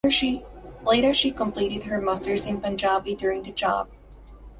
Later she completed her Masters in Punjabi during the job.